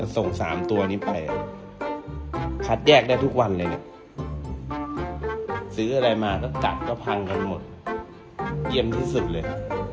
ส่ง๓ตัวนี้ไปคัดแยกได้ทุกวันเลยนะซื้ออะไรมาก็จัดก็พังกันหมดเยี่ยมที่สุดเลย